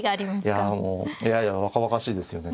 いやもうＡＩは若々しいですよね